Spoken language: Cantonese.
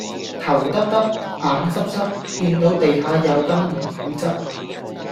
頭耷耷,眼濕濕,見到地下有金唔會執